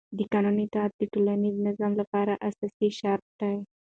د قانون اطاعت د ټولنیز نظم لپاره اساسي شرط دی